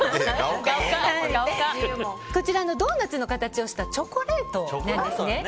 こちら、ドーナツの形をしたチョコレートなんです。